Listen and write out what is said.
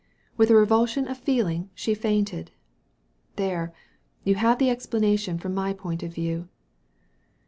With a revulsion of feeling she fainted. There — ^you have the explanation from my point of view."